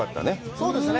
そうですね。